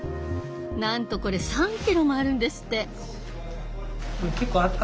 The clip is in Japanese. なんとこれ３キロもあるんですって。